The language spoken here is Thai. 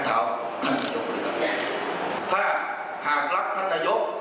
ถ้าหากรับท่านระยก